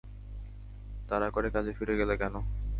তাড়া করে কাজে ফিরে গেলে কেন?